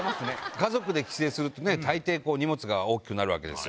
家族で帰省するとね、たいてい荷物が大きくなるわけですよ。